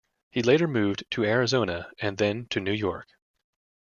He later moved to Arizona, and then to New York.